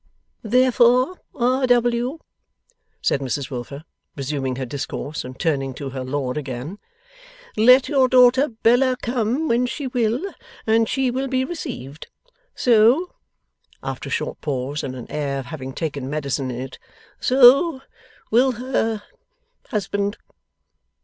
'Therefore, R. W.' said Mrs Wilfer, resuming her discourse and turning to her lord again, 'let your daughter Bella come when she will, and she will be received. So,' after a short pause, and an air of having taken medicine in it, 'so will her husband.